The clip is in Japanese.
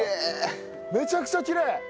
めちゃくちゃきれい！